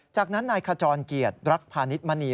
จากนั้นนายขจรเกียรติรักพาณิชมณี